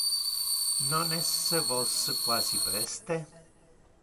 Non es vos quasi preste?